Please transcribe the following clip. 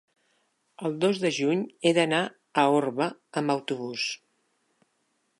El dos de juny he d'anar a Orba amb autobús.